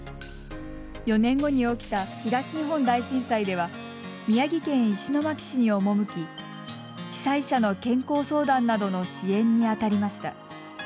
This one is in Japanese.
４年後に起きた東日本大震災では宮城県石巻市に赴き被災者の健康相談などの支援に当たりました。